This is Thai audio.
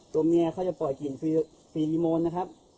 ตัวเมียเขาจะปล่อยกลิ่นฟิลิโมนนะครับ